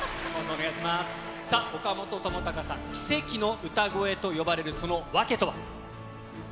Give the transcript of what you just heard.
さあ、岡本知高さん、奇跡の歌声と呼ばれる、その訳とは。